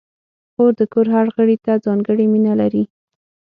خور د کور هر غړي ته ځانګړې مینه لري.